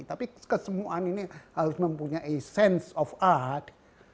tapi kesemuan ini harus mempunyai sense of art